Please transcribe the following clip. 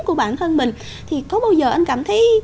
của bản thân mình thì có bao giờ anh cảm thấy